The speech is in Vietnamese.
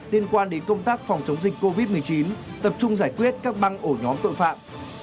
liên quan đến công tác phòng chống dịch covid một mươi chín tập trung giải quyết các băng ổ nhóm tội phạm